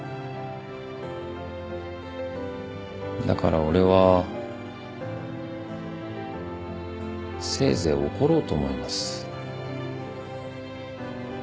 だから俺はせいぜい怒ろうと思います。